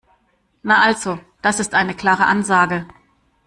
Na also, das ist eine klare Ansage.